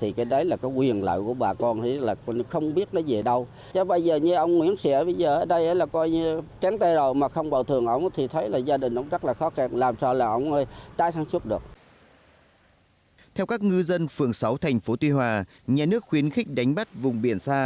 theo các ngư dân phường sáu thành phố tuy hòa nhà nước khuyến khích đánh bắt vùng biển xa